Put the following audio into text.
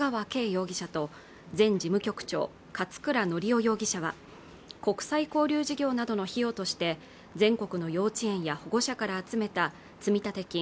容疑者と前事務局長勝倉教雄容疑者は国際交流事業などの費用として全国の幼稚園や保護者から集めた積立金